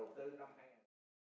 bước sang năm hai nghìn một mươi chín